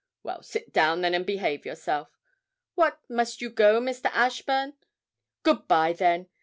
Well, sit down, then, and behave yourself. What, must you go, Mr. Ashburn? Good bye, then.